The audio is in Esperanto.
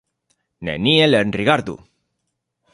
Neniel enrigardu!